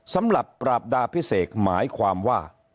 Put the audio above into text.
สำหรับปราบดาพิเศษหมายความว่า